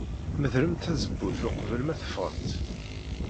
Medlemt tazewwut uqbel ma teffɣemt.